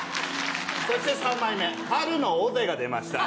そして３枚目、春の尾瀬が出ました。